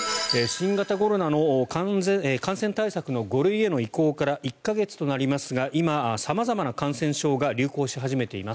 新型コロナの感染対策の５類への移行から１か月となりますが今、様々な感染症が流行し始めています。